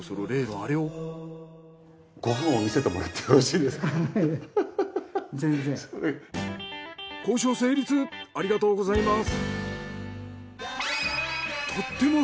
ありがとうございます。